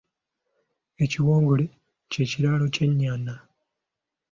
Ekiwongole ky'ekiraalo ky'e nnyana.